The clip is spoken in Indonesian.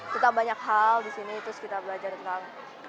kita banyak hal di sini terus kita belajar tentang